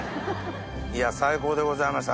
いや最高でございました